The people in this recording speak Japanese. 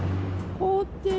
凍ってる。